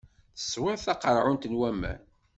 Teswiḍ taqeṛɛunt n waman.